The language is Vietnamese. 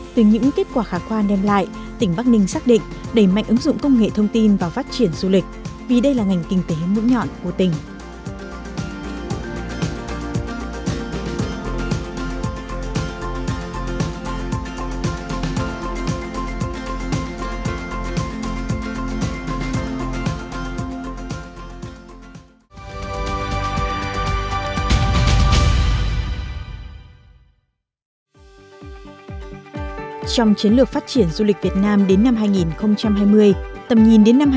từ những kết quả khả quan đem lại tỉnh bắc ninh xác định đầy mạnh ứng dụng công nghệ thông tin vào phát triển du lịch vì đây là ngành kinh tế mũ nhọn của tỉnh